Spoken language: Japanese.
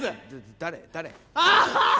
誰？